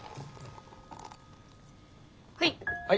はい。